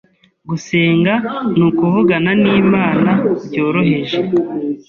gusenga ni ukuvugana n’Imana byoroheje,